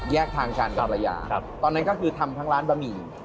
แยกทางกันกับภรรยาตอนนั้นก็คือทำทั้งร้านบะหมี่